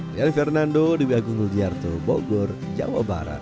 rial fernando di biagung lujarto bogor jawa barat